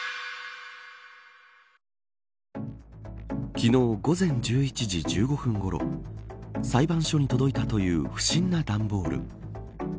昨日、午前１１時１５分ごろ裁判所に届いたという不審な段ボール。